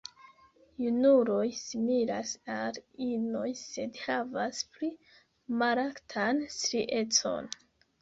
Junuloj similas al inoj, sed havas pli markatan striecon.